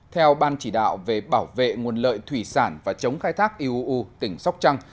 theo ban chỉ đạo về bảo vệ nguồn lợi thủy sản và chống khai thác iuu tỉnh sóc trăng